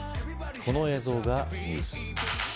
この映像がニュース。